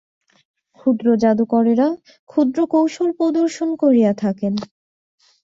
ক্ষুদ্র জাদুকরেরা ক্ষুদ্র কৌশল প্রদর্শন করিয়া থাকেন।